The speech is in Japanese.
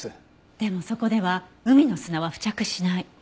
でもそこでは海の砂は付着しない。